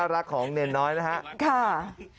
คุณผู้ชมเอ็นดูท่านอ่ะ